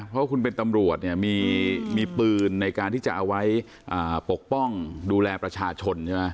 เพราะคุณเป็นตำรวจเนี่ยมีปืนในการที่จะเอาไว้ปกป้องดูแลประชาชนใช่ไหม